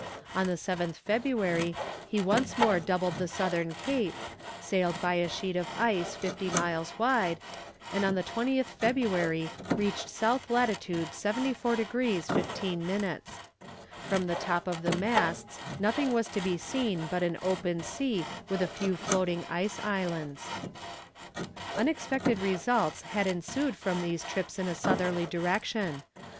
On the 7th February he once more doubled the southern cape, sailed by a sheet of ice fifty miles wide, and on the 20th February reached S. lat. 74 degrees 15 minutes. From the top of the masts nothing was to be seen but an open sea with a few floating ice islands. Unexpected results had ensued from these trips in a southerly direction.